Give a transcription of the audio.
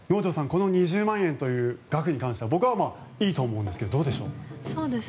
この２０万円という額に関しては僕はいいと思うんですけどどうでしょう。